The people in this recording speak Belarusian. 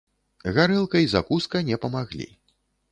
Гарэлка і закуска не памаглі.